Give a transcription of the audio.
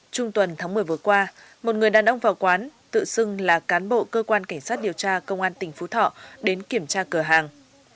trung tuần tháng một mươi vừa qua một người đàn ông vào quán tự xưng là cán bộ cơ quan cảnh sát điều tra công an tỉnh phú thọ đến kiểm tra cửa hàng